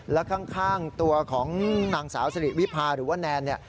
แล้วข้างตัวของนางสาวสิริวิพาหรือว่าแนนเนี่ย